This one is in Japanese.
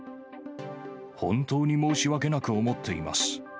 本当に申し訳なく思っています。